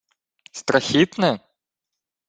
— Страхітне?